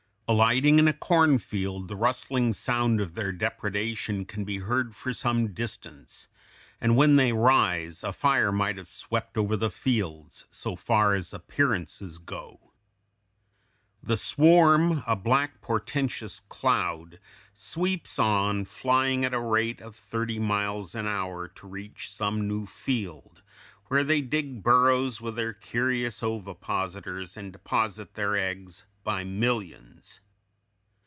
Alighting in a cornfield the rustling sound of their depredation can be heard for some distance; and when they rise, a fire might have swept over the fields, so far as appearances go. The swarm, a black, portentous cloud, sweeps on, flying at a rate of thirty miles an hour to reach some new field, where they dig burrows with their curious ovipositors, and deposit their eggs by millions.